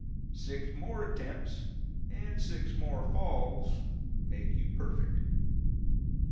Six more attempts and six more falls make you perfect.